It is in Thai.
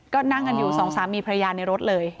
ก็นั่งกันอยู่สองสามีพระยาในรถเลย